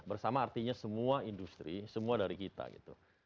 bersama artinya semua industri semua dari kita gitu